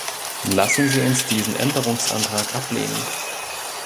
Lassen Sie uns diesen Änderungsantrag ablehnen.